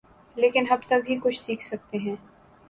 لیکن ہم تب ہی کچھ سیکھ سکتے ہیں۔